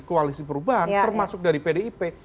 koalisi perubahan termasuk dari pdip